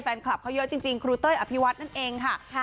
แฟนคลับเขาเยอะจริงครูเต้ยอภิวัตนั่นเองค่ะ